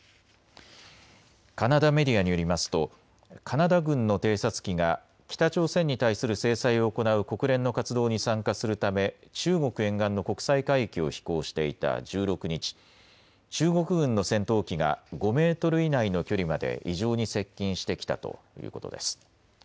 カナダメディアによりますとカナダ軍の偵察機が北朝鮮に対する制裁を行う国連の活動に参加するため中国沿岸の国際海域を飛行していた１６日、中国軍の戦闘機が５メートル以内の距離まで異常に接近してきたということです。